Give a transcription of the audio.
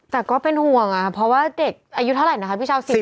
แต่ก็เป็นห่วงอะละครับเพราะว่าเด็กอายุเท่าไรคะพี่เช้า